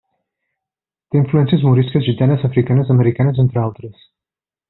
Té influències morisques, gitanes, africanes, americanes, entre altres.